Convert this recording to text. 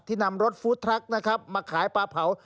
ที่นำรถฟู้ดทรัคมาขายปลาเผา